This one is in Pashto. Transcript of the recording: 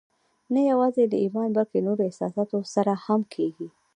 نه يوازې له ايمان بلکې له نورو احساساتو سره هم کېږي.